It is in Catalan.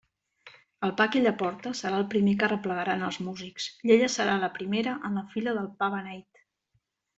El pa que ella porta serà el primer que arreplegaran els músics, i ella serà la primera en la fila del pa beneit.